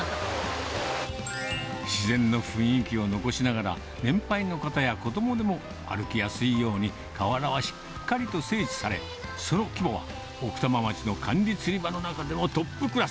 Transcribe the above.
自然の雰囲気を残しながら、年配の方や子どもでも歩きやすいように、河原はしっかりと整地され、その規模は奥多摩町の管理釣り場の中でもトップクラス。